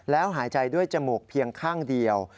แล้วหายใจด้วยจมูกเพียงข้างเดียว